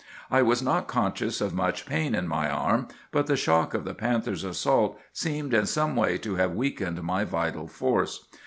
I was not conscious of much pain in my arm, but the shock of the panther's assault seemed in some way to have weakened my vital force.